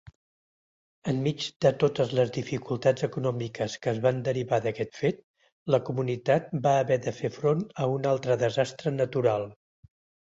En mig de totes les dificultats econòmiques que es van derivar d'aquest fet, la comunitat va haver de fer front a un altre desastre natural.